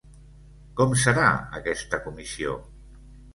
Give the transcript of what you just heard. Com serà aquesta comissió?